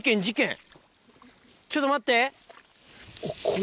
ちょっと待って！